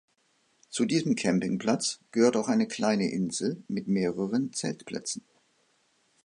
Zu diesem Campingplatz gehört auch eine kleine Insel mit mehreren Zeltplätzen.